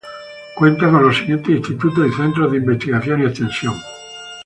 Cuenta con los siguientes Institutos y Centros de investigación y extensión.